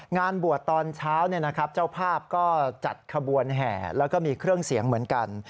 งานบวชตอนเช้าเจ้าภาพก็จัดขบวนแห่แล้วก็มีเครื่องเสียงเหมือนกัน